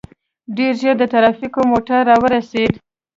ډېر ژر د ټرافيکو موټر راورسېد.